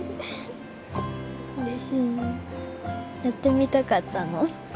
やってみたかったの